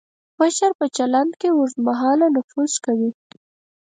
مشر په چلند کې اوږد مهاله نفوذ کوي.